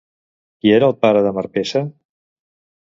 Qui era el pare de Marpessa?